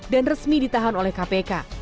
resmi ditahan oleh kpk